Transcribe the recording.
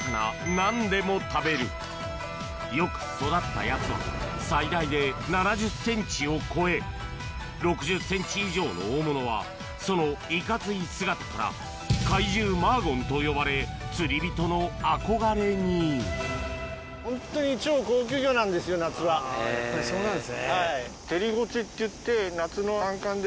何でも食べるよく育ったやつは６０ｃｍ以上の大物はそのいかつい姿から怪獣マーゴンと呼ばれ釣り人の憧れにそうなんですね。